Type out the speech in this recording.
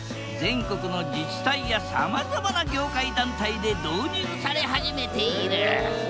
全国の自治体やさまざまな業界団体で導入され始めている。